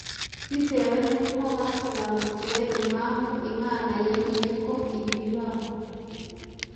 bitewe n’uko basobanukiwe impamvu Imana yemeye ko ibibi bibaho